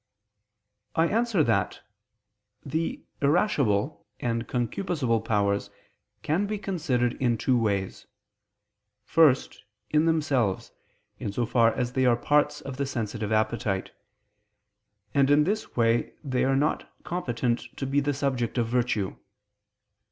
I answer that, The irascible and concupiscible powers can be considered in two ways. First, in themselves, in so far as they are parts of the sensitive appetite: and in this way they are not competent to be the subject of virtue.